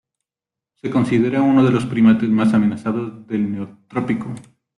Se considera uno de los primates más amenazados del Neotrópico.